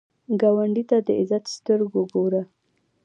ګاونډي ته د عزت سترګو ګوره